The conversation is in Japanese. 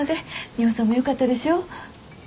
ミホさんもよかったでしょ？